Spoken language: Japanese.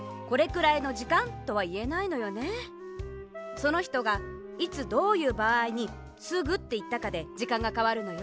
そのひとがいつどういうばあいに「すぐ」っていったかでじかんがかわるのよ。